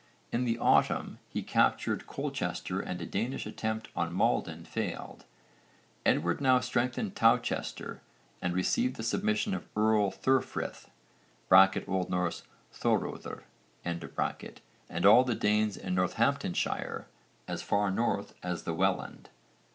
In the autumn he captured Colchester and a Danish attempt on Maldon failed. Edward now strengthened Towcester and received the submission of Earl Thurfrith (O.N. Ðorröðr) and all the Danes in Northamptonshire as far north as the Welland.